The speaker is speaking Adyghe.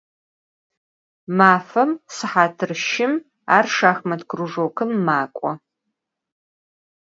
Mafem sıhatır şım ar şşaxmat krujjokım mak'o.